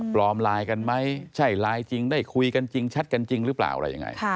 ปลอมลายกันไหมใช่ลายจริงได้ก็คุยกันจริงชัดกันจริงหรือเปล่า